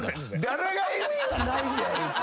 誰が意味がないじゃい！